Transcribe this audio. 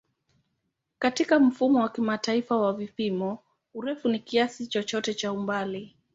Katika Mfumo wa Kimataifa wa Vipimo, urefu ni kiasi chochote cha umbali.